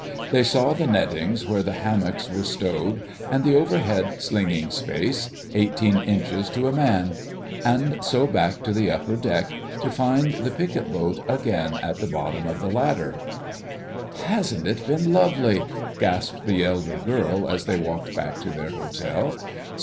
They saw the nettings where the hammocks were stowed, and the overhead slinging space—eighteen inches to a man! And so back to the upper deck, to find the picket boat again at the bottom of the ladder. "Hasn't it been lovely!" gasped the elder girl, as they walked back to their hotel.